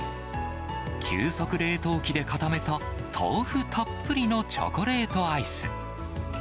急速冷凍機で固めた豆腐たっぷりのチョコレートアイス。